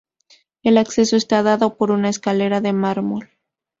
El acceso está dado por una escalera de mármol.